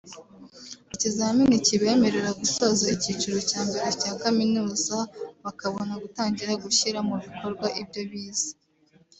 ikizamini kibemerera gusoza ikiciro cya mbere cya kaminuza bakabona gutangira gushyira mu bikorwa ibyo bize